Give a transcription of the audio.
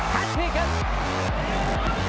แพทย์พลิกครับ